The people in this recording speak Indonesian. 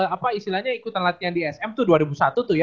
apa istilahnya ikutan latihan di sm itu dua ribu satu tuh ya